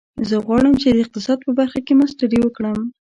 زه غواړم چې د اقتصاد په برخه کې ماسټري وکړم